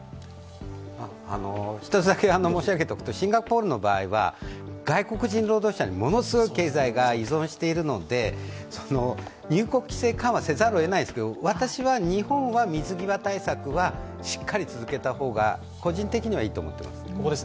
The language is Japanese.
１つだけ申し上げておくと、シンガポールの場合は、外国人労働者にものすごく経済が依存しているので入国規制緩和をせざるを得ないんですが、私は日本は水際対策をしっかり続けた方が個人的にはいいと思っています。